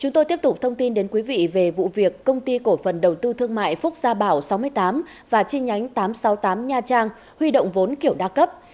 chúng tôi tiếp tục thông tin đến quý vị về vụ việc công ty cổ phần đầu tư thương mại phúc gia bảo sáu mươi tám và chi nhánh tám trăm sáu mươi tám nha trang huy động vốn kiểu đa cấp